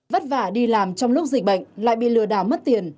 vất vả đi làm trong lúc dịch bệnh lại bị lừa đảo mất tiền